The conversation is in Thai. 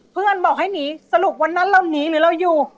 เพื่อนบอกให้หนีสรุปวันนั้นเราหนีหรือเราอยู่